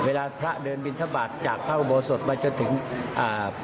เวลาพระเดินวินทบาทจากเผ้าโบสถมาจนถึงอ่า